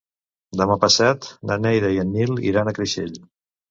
Demà passat na Neida i en Nil iran a Creixell.